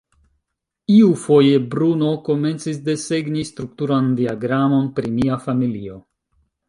Iufoje Bruno komencis desegni strukturan diagramon pri mia familio.